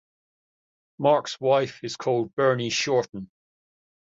Mark’s wife is called Bernie Shorten.